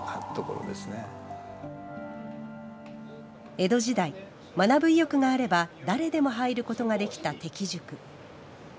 江戸時代学ぶ意欲があれば誰でも入ることができた適塾。